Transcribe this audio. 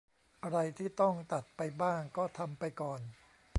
อะไรที่ต้องตัดไปบ้างก็ทำไปก่อน